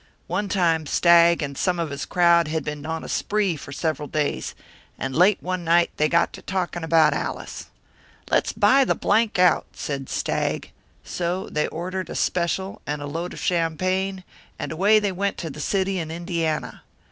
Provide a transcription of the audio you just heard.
One time Stagg and some of his crowd had been on a spree for several days, and late one night they got to talking about Allis. 'Let's buy the out,' said Stagg, so they ordered a special and a load of champagne, and away they went to the city in Indiana.